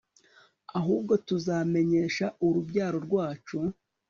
ahubwo tuzamenyesha urubyaro rwacu